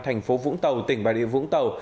thành phố vũng tàu tỉnh bà địa vũng tàu